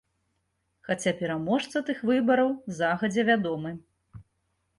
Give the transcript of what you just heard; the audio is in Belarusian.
Хаця пераможца тых выбараў загадзя вядомы.